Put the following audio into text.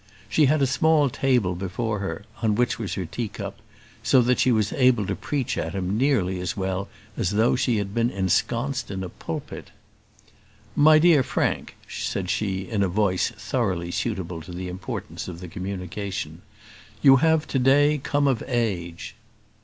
She had a small table before her, on which was her teacup, so that she was able to preach at him nearly as well as though she had been ensconced in a pulpit. "My dear Frank," said she, in a voice thoroughly suitable to the importance of the communication, "you have to day come of age."